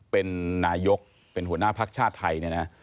เป็นนายกเป็นหัวหน้าภาคชาติไทย